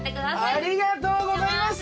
ありがとうございます。